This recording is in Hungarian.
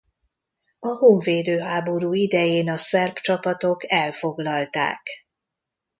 A honvédő háború idején a szerb csapatok elfoglalták.